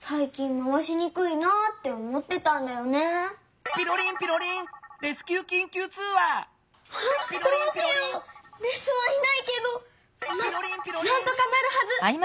まあなんとかなるはず。